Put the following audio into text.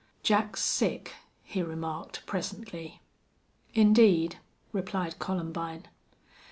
"Jack's sick," he remarked, presently. "Indeed," replied Columbine.